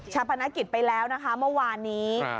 พนักกิจไปแล้วนะคะเมื่อวานนี้